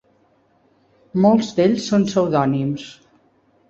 Molts d'ells són pseudònims.